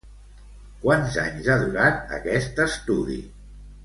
Quants anys ha durat aquest estudi?